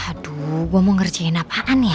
aduh gue mau ngerjain apaan ya